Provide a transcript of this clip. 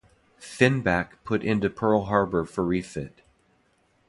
"Finback" put into Pearl Harbor for refit.